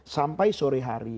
sampai sore hari